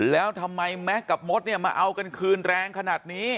แล้วทำไมแม็กซ์กับมดเนี่ยมาเอากันคืนแรงขนาดนี้